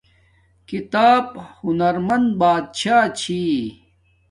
کتاب ہنزمند بادشاہ چھی